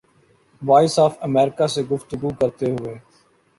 voice of America سے گفتگو کرتے ہوئے